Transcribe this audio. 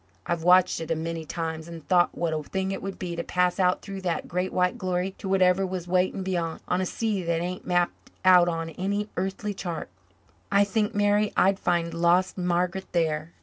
I've watched it a many times and thought what a thing it would be to pass out through that great white glory to whatever was waiting beyant, on a sea that ain't mapped out on any airthly chart. I think, Mary, I'd find lost Margaret there."